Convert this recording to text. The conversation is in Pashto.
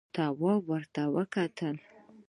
تواب ور وکتل: